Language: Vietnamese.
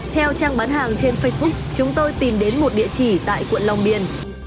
theo trang bán hàng trên facebook chúng tôi tìm đến một địa chỉ tại quận long biên